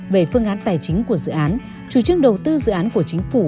về phương án tài chính của dự án chủ trương đầu tư dự án của chính phủ